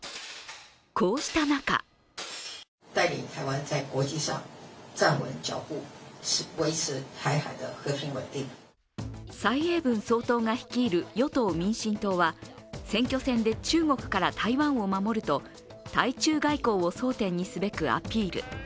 こうした中蔡英文総統が率いる与党・民進党は、選挙戦で中国から台湾を守ると対中外交を争点にすべくアピール。